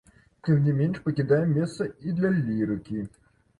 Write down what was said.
Тым не менш, пакідаем месца і для лірыкі.